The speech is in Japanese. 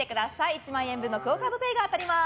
１万円分のＱＵＯカードＰａｙが当たります。